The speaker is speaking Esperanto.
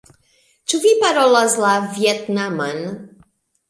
Ĉu vi parolas la vjetnaman?